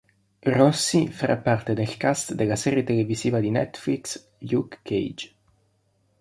Rossi farà parte del cast della serie televisiva di Netflix "Luke Cage".